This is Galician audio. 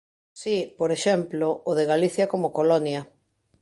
Si, por exemplo, o de Galicia como colonia: